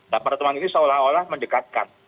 nah pertemuan ini seolah olah mendekatkan